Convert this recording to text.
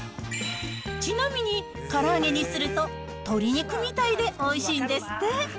ちなみにから揚げにすると、鶏肉みたいでおいしいんですって。